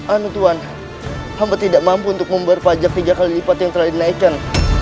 anu tuhan hamba tidak mampu untuk membawa pajak tiga kali lipat yang terlalu naikkan